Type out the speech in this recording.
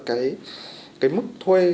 cái mức thuê